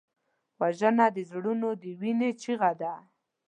وژنه د زړونو د وینې چیغه ده